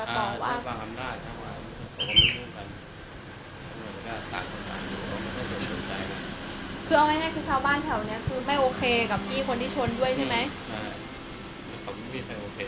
ถ้าบางครั้งหน้าช่างว่าขอส่งที่ดูกัน